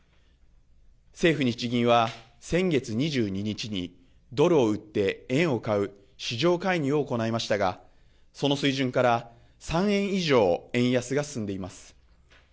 政府・日銀は先月２２日にドルを売って円を買う市場介入を行いましたがその水準から３円以上、円安が進んでいます。